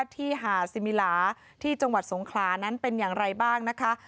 ที่หาดซิมิลาที่จังหวัดสงขลานั้นเป็นอย่างไรบ้างนะคะ